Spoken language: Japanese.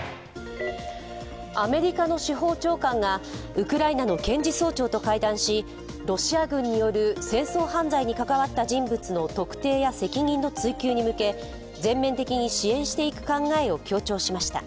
アメリカの司法長官がウクライナの検事総長と会談しロシア軍による戦争犯罪に関わった人物の特定や責任の追及に向け、全面的に支援していく考えを強調しました。